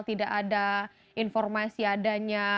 tidak ada informasi adanya